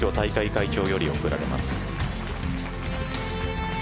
会長より贈られます。